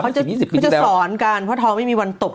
เขาจะสอนกันเพราะทองไม่มีวันตก